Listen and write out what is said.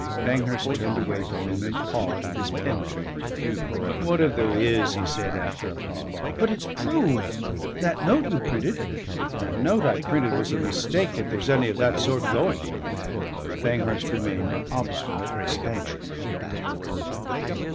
Banghurst turned away from him and pawed at his pen tray. "Whad if there is!" he said after a pause. "But it's proved. That note you printed " "That note I printed was a mistake if there's anything of that sort going, young man." Banghurst remained an obstinate expansion of back.